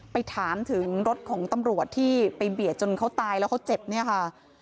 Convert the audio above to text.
ไปถามถึงรถของตำรวจที่ไปเบียดจนเขาตายแล้วเขาเจ็บเนี่ยค่ะ